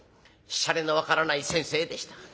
シャレの分からない先生でした。